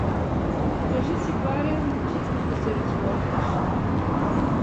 — Кажи си барем, че искаш да се разхождаш.